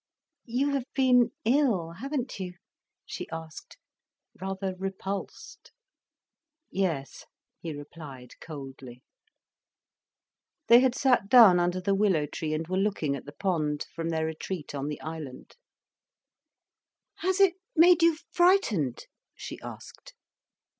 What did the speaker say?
"You have been ill; haven't you?" she asked, rather repulsed. "Yes," he replied coldly. They had sat down under the willow tree, and were looking at the pond, from their retreat on the island. "Has it made you frightened?" she asked.